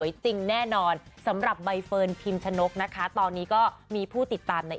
จริงแน่นอนสำหรับใบเฟิร์นพิมชนกนะคะตอนนี้ก็มีผู้ติดตามใน